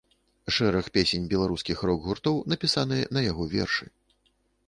Шэраг песень беларускіх рок-гуртоў напісаныя на яго вершы.